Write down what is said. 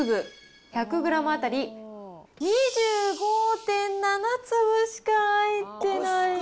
１００グラム当たり２５．７粒しか入ってない。